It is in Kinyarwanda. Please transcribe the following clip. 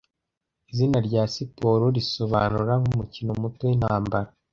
Izina rya siporo risobanura nkumukino muto wintambara